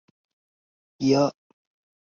该频道为泉州市区第二个自办电视频道。